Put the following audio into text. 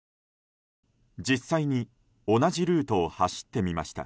実際に同じルートを走ってみました。